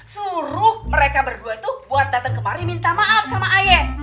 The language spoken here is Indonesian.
suruh mereka berdua tuh buat datang kemari minta maaf sama aye